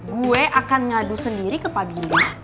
gue akan ngadu sendiri ke pak bili